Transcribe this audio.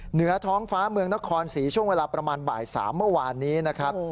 เหนือท้องฟ้าเมืองนครศรีช่วงเวลาประมาณบ่าย๓เมื่อวานนี้นะครับ